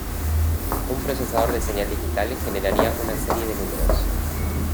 Un procesador de señal digital generaría una serie de números.